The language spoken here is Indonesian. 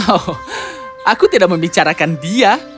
oh aku tidak membicarakan dia